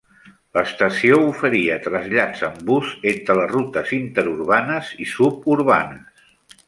L'estació oferia trasllats amb bus entre les rutes interurbanes i suburbanes.